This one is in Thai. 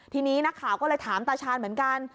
ทีนี้นักข่าวก็เลยถามตาชาญเหมือนกัน